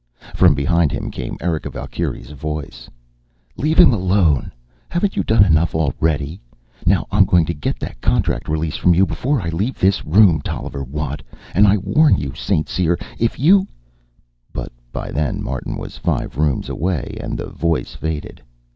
From behind him came Erika's Valkyrie voice. "Leave him alone! Haven't you done enough already? Now I'm going to get that contract release from you before I leave this room, Tolliver Watt, and I warn you, St. Cyr, if you " But by then Martin was five rooms away, and the voice faded.